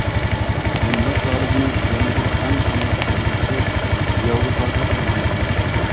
ھونلار تارىخىنىڭ يەنە بىر ئەڭ شانلىق سەھىپىسى ياۋروپادا يېزىلغان.